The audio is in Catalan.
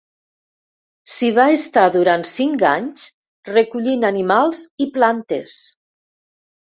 S'hi va estar durant cinc anys recollint animals i plantes.